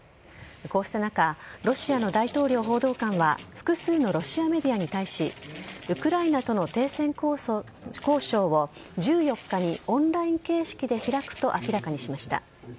こうした中、ロシアの大統領報道官は複数のロシアメディアに対し、ウクライナとの停戦交渉を１４日にオンライン形式で開くと明らかにしました。